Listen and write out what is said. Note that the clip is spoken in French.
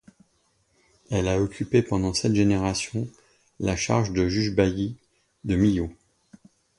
Elle a occupé pendant sept générations la charge de juge-bailli de Millau.